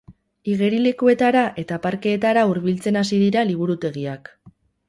Igerilekuetara eta parkeetara hurbiltzen hasi dira liburutegiak.